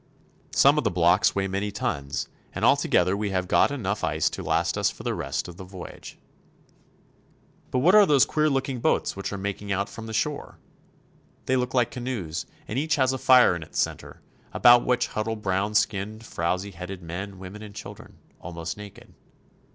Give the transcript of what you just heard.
Some of the blocks weigh many tons, and altogether we have got enough ice to last us for the rest of the voyage. 154 CHILE. But what are those queer looking boats which are mak ing out from the shore ? They look like canoes, and each has a fire in its center, about which huddle brown skinned, frowzy headed men, women, and children, almost naked.